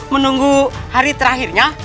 menunggu hari terakhirnya